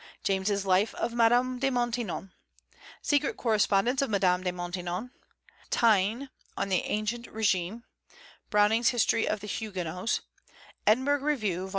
James's Life of Madame de Maintenon; Secret Correspondence of Madame de Maintenon; Taine on the Ancien Régime; Browning's History of the Huguenots, Edinburgh Review, xcix.